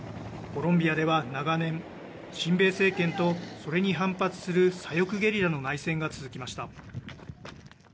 コロンビアでは長年、親米政権とそれに反発する左翼ゲリラの内戦が続きました。